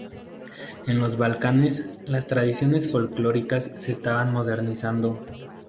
En los Balcanes, las tradiciones folclóricas se estaban modernizando.